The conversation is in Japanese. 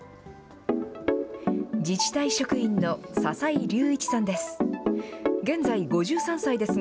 自治体職員の笹井竜一さんです。